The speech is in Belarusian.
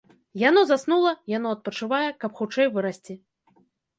Яно заснула, яно адпачывае, каб хутчэй вырасці.